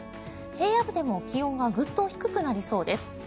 平野部でも気温がグッと低くなりそうです。